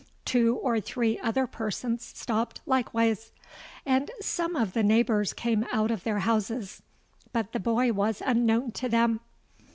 Two or three other persons stopped likewise; and some of the neighbours came out of their houses: but the boy was unknown to them.